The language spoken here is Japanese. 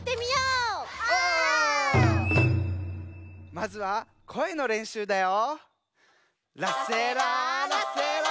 まずはこえのれんしゅうだよ。